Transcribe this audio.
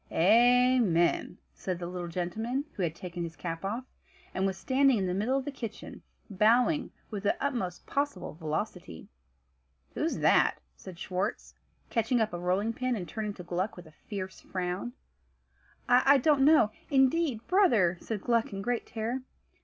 "Amen," said the little gentleman, who had taken his cap off, and was standing in the middle of the kitchen, bowing with the utmost possible velocity. "Who's that?" said Schwartz, catching up a rolling pin, and turning to Gluck with a fierce frown. "I don't know, indeed, brother," said Gluck in great terror.